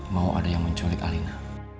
mau ada yang menculik alina